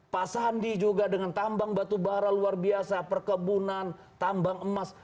pak sandi juga dengan tambang batubara luar biasa perkebunan tambang emas